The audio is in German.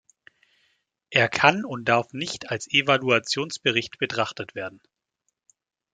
Er kann und darf nicht als Evaluationsbericht betrachtet werden.